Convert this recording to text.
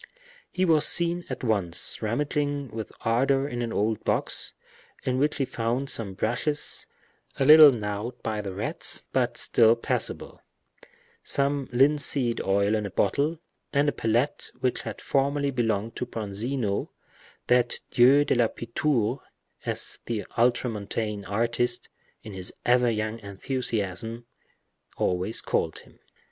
He was seen at once rummaging with ardor in an old box, in which he found some brushes, a little gnawed by the rats, but still passable; some linseed oil in a bottle, and a palette which had formerly belonged to Bronzino, that dieu de la pittoure, as the ultramontane artist, in his ever young enthusiasm, always called him.